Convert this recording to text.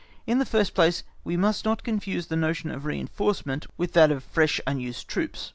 In the first place, we must not confuse the notion of reinforcement with that of fresh unused troops.